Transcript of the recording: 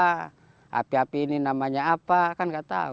dulu kan enggak tahu nama mangrove ini namanya apa